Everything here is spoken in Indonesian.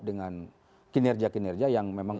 dengan kinerja kinerja yang memang